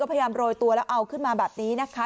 พยายามโรยตัวแล้วเอาขึ้นมาแบบนี้นะคะ